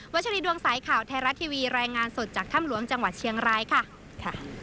วัชฎีดวงสายข่าวแท้รัฐทีวีรายงานสดจากจังหวัดเชียงรายค่ะค่ะ